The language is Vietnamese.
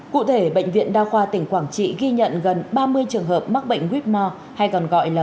cụ thể bệnh viện đa khoa tỉnh quảng trị ghi nhận gần ba mươi trường hợp mắc bệnh whore hay còn gọi là